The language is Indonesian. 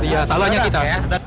ya salahnya kita